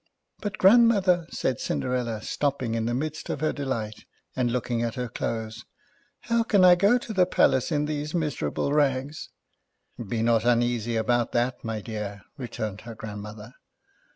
" But grandmother," said Cinderella, stop ping in the midst of her delight, and looking at her clothes, "how can I go to the palace in these miserable rags ?" "Be not uneasy about that, my dear," returned her grandmother.